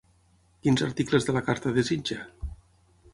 Quins articles de la carta desitja?